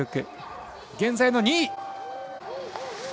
現在の２位。